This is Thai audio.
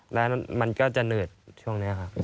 แล้วมันก็จะหนืดช่วงนี้ครับ